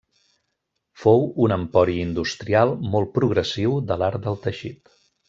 Fou un empori industrial molt progressiu de l'art del teixit.